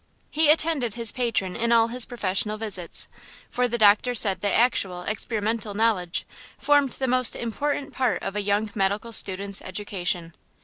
He attended his patron in all his professional visits; for the doctor said that actual, experimental knowledge formed the most important part of a young medical student's education.